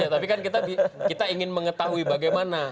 tapi kan kita ingin mengetahui bagaimana